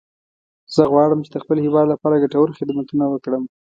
زه غواړم چې د خپل هیواد لپاره ګټور خدمتونه وکړم